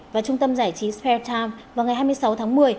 và trung tâm giải trí spare time vào ngày hai mươi sáu tháng một mươi